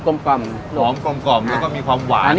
หอมกลมกลมแล้วก็มีความหวาน